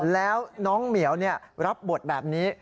แล้วน้องเหมียวรับบทแบบนี้